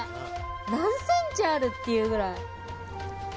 何センチある？っていうくらい。